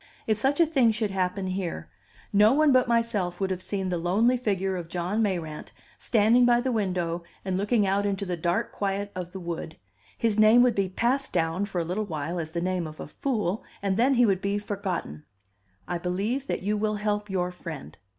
If such a thing should happen here, no one but myself would have seen the lonely figure of John Mayrant, standing by the window and looking out into the dark quiet of the wood; his name would be passed down for a little while as the name of a fool, and then he would be forgotten. "I believe that you will help your friend."